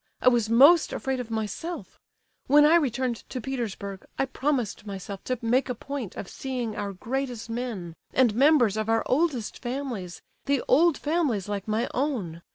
I was most afraid of myself. When I returned to Petersburg, I promised myself to make a point of seeing our greatest men, and members of our oldest families—the old families like my own.